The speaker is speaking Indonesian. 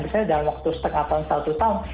misalnya dalam waktu setengah tahun satu tahun